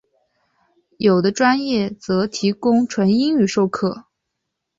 有的专业则提供纯英语授课。